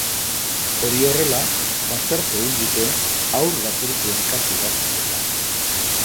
Hori horrela, baztertu egin dute haur-lapurtuen kasu bat dela.